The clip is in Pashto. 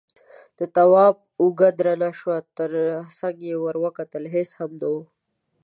د تواب اوږه درنه شوه، تر څنګ يې ور وکتل، هېڅ هم نه و.